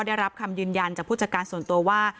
ได้รับคำยืนยันจากผู้จัดการส่วนตัวว่า